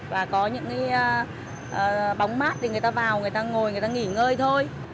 và có những cái bóng mát thì người ta vào người ta ngồi người ta nghỉ ngơi thôi